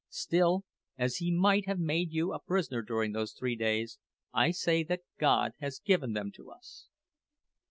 Still, as he might have made you a prisoner during those three days, I say that God has given them to us."